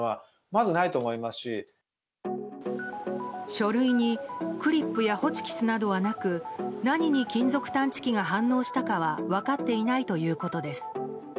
書類にクリップやホチキスなどはなく何に金属探知機が反応したかは分かっていないということです。